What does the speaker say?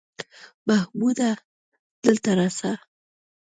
محموده دلته راسه!